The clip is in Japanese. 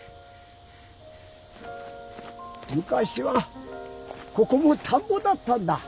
むかしはここもたんぼだったんだ。